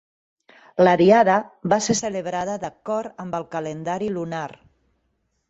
La diada va ser celebrada d'acord amb el calendari lunar.